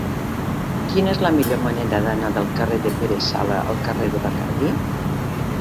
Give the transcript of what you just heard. Quina és la millor manera d'anar del carrer de Pere Sala al carrer de Bacardí?